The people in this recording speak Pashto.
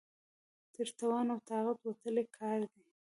تر توان او طاقت وتلی کار دی.